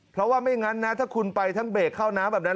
เพราะว่าไม่งั้นนะถ้าคุณไปทั้งเบรกเข้าน้ำแบบนั้น